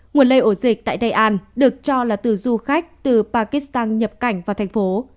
nguồn lây ổ dịch tại tây an được cho là từ du khách từ pakistan nhập cảnh vào thành phố